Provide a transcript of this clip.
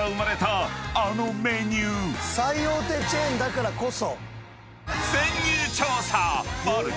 「最大手チェーンだからこそ」？